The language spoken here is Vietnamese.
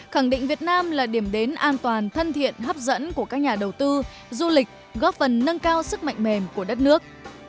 khẳng định việt nam là điểm đến an toàn thân thiện hấp dẫn của các nhà đầu tư du lịch góp phần nâng cao sức mạnh mềm của đất nước